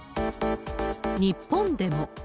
日本でも。